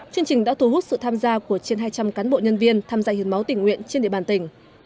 chương trình đã thu hút sự tham gia của trên hai trăm linh cán bộ nhân viên tham gia hiến máu tỉnh nguyện trên địa bàn tỉnh